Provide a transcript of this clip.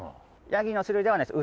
ヤギの種類ではないです。